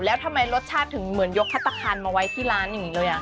แล้วทำไมรสชาติถึงเหมือนยกพัฒนาคารมาไว้ที่ร้านอย่างนี้เลย